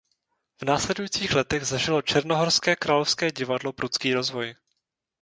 V následujících letech zažilo "černohorské královské divadlo" prudký rozvoj.